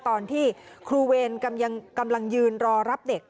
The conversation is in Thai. ตอนที่ครูเวรกำลังยืนรอรับเด็ก